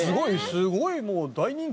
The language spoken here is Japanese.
すごいもう大人気。